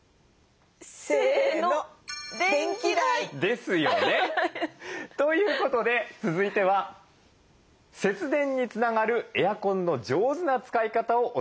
せのですよね。ということで続いては節電につながるエアコンの上手な使い方をお伝えしていきます。